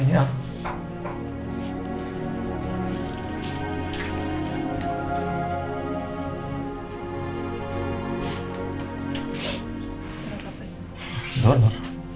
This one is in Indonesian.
gak apa apa ya